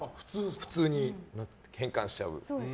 普通に変換しちゃう。